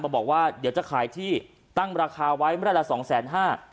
บอกว่าเดี๋ยวจะขายที่ตั้งราคาไว้ไม่ได้ละสองแสนห้า